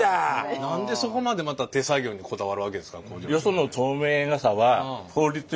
何でそこまでまた手作業にこだわるわけですか工場長。